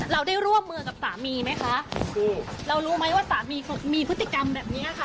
เราได้ร่วมมือกับสามีไหมคะคือเรารู้ไหมว่าสามีเขามีพฤติกรรมแบบเนี้ยค่ะ